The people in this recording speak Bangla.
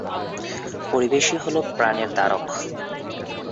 পরিবেশই হলো প্রাণের ধারক।